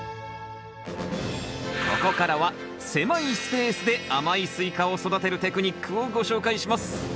ここからは狭いスペースで甘いスイカを育てるテクニックをご紹介します